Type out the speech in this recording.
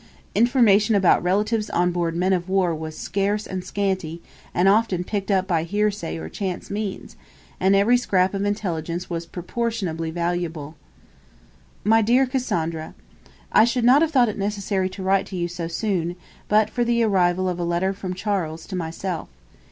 Information about relatives on board men of war was scarce and scanty, and often picked up by hearsay or chance means; and every scrap of intelligence was proportionably valuable: 'MY DEAR CASSANDRA, 'I should not have thought it necessary to write to you so soon, but for the arrival of a letter from Charles to myself.